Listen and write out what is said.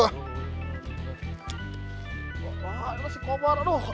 wah ini si kobar aduh